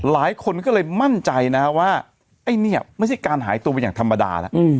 หลายคนก็เลยมั่นใจนะว่าไอ้เนี่ยไม่ใช่การหายตัวไปอย่างธรรมดาแล้ว